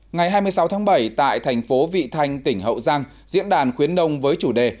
ngày hai mươi sáu tháng bảy tại thành phố vị thanh tỉnh hậu giang diễn đàn khuyến nông với chủ đề